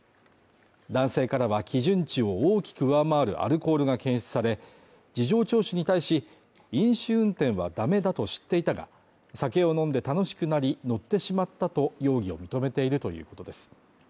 男性からは基準値を大きく上回るアルコールが検出され、事情聴取に対し飲酒運転は駄目だと知っていたが、酒を飲んで楽しくなり、乗ってしまったと容疑を認めているということです。